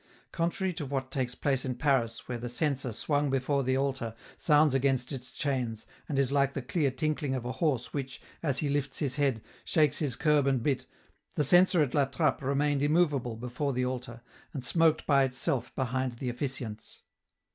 Contrary to what takes place in Paris, where the censer, swung before the altar, sounds against its chains, and is like the clear tinkling of a horse which, as he lifts his head, shakes his curb and bit, the censer at La Trappe remained immovable before the altar, and smoked by itself behind the officiants.